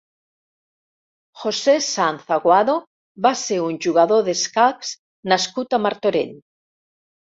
José Sanz Aguado va ser un jugador d'escacs nascut a Martorell.